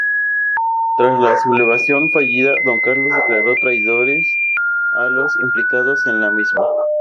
Tras la sublevación fallida, Don Carlos declaró traidores a los implicados en la misma.